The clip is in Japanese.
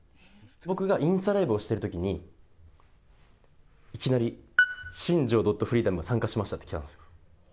僕がインスタライブをしているときに、いきなり新庄ドットフリーダムが参加しましたって来たんですよ。